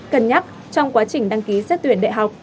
cân nhắc trong quá trình đăng ký xét tuyển đại học